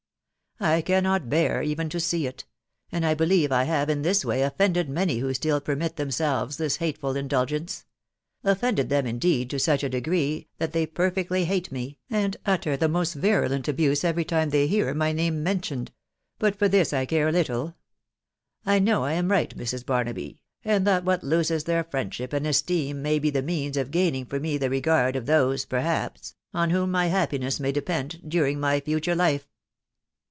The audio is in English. ... I cannot hear even to see it, and I believe I have in this way offended many who still permit themselves this hateful indulgence ; offended them, indeed, to such a degree, that they perfectly hate me, and utter the most virulent abuse every time they hear my name mentioned; .... but for this I care little; I know I am right, Mrs. Barnaby, and that what loses their friendship and esteem may be the means of gaining for me the regard of those, perhaps, on whom my whole happiness may depend during my future life."